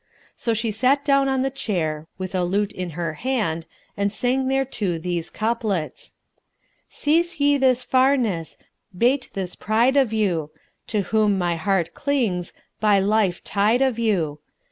So she sat down on the chair, with a lute in her hand, and sang thereto these couplets, "Cease ye this farness; 'bate this pride of you, * To whom my heart clings, by life tide of you!